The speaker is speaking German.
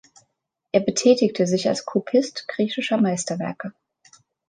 Er betätigte sich als Kopist griechischer Meisterwerke.